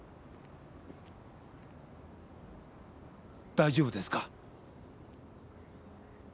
・・大丈夫ですか？